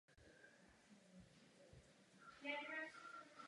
Británii reprezentovala v padesátých letech.